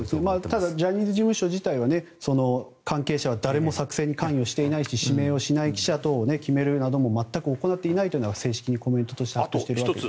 ただジャニーズ事務所自体は関係者は誰も作成に関与していないし指名をしない記者等を決めることなども全く行っていないというのは正式にコメントとしてあったんですけどね。